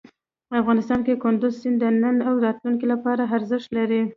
افغانستان کې کندز سیند د نن او راتلونکي لپاره ارزښت لري.